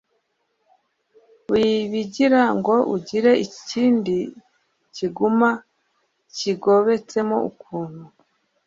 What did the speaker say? wibigira ngo ugire ikindi kiguma cyigobetsemo ukuntu